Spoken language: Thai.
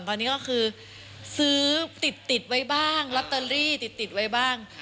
ตอนนี้ก็คือซื้อติดไว้บ้างลอตเตอรี่ติดไว้บ้าง